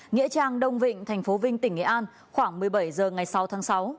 nghĩa trang đông vịnh thành phố vinh tỉnh nghệ an khoảng một mươi bảy h ngày sáu tháng sáu